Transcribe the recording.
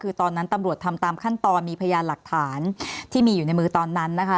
คือตอนนั้นตำรวจทำตามขั้นตอนมีพยานหลักฐานที่มีอยู่ในมือตอนนั้นนะคะ